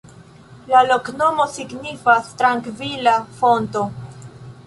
La loknomo signifas: "trankvila fonto".